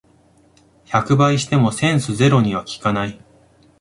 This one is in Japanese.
百倍してもセンスゼロには効かない